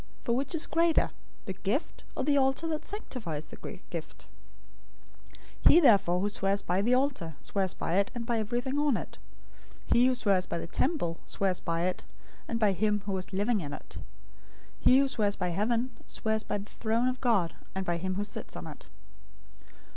For which is greater, the gift, or the altar that sanctifies the gift? 023:020 He therefore who swears by the altar, swears by it, and by everything on it. 023:021 He who swears by the temple, swears by it, and by him who was living in it. 023:022 He who swears by heaven, swears by the throne of God, and by him who sits on it.